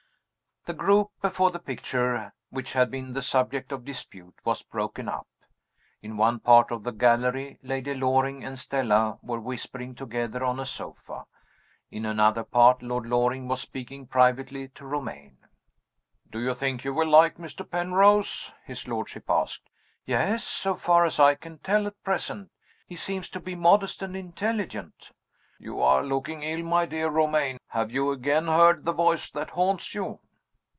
THE group before the picture which had been the subject of dispute was broken up. In one part of the gallery, Lady Loring and Stella were whispering together on a sofa. In another part, Lord Loring was speaking privately to Romayne. "Do you think you will like Mr. Penrose?" his lordship asked. "Yes so far as I can tell at present. He seems to be modest and intelligent." "You are looking ill, my dear Romayne. Have you again heard the voice that haunts you?"